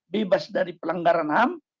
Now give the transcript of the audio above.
bebas dari pelanggaran ham